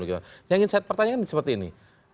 yang ingin saya pertanyakan seperti ini